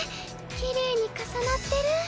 きれいに重なってる。